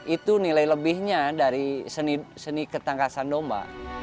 itu nilai lebihnya dari seni ketangkasan domba